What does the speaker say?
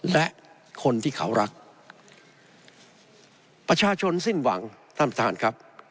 และคนที่เขารักประชาชนสิ้นหวังท่านประธานครับ